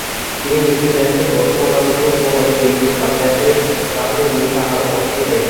তিনি নিশ্চয় জানিতেন বর্তমান আলোচনার সময় এইরূপ যাতায়াতে তাঁহাদের নিন্দা আরো প্রশ্রয় পাইবে।